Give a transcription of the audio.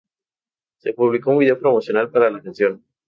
Se publicó un video promocional para la canción.